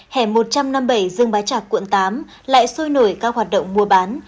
hẻ một trăm năm mươi bảy dương bái trạc quận tám lại sôi nổi các hoạt động mua bán